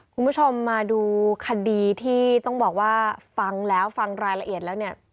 คุณผู้ชมมาดูคดีที่ต้องบอกว่าฟังแล้วฟังรายละเอียดแล้วเนี่ย